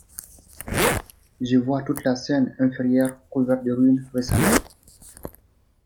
Je vois toute la Seine-Inférieure couverte de ruines récentes.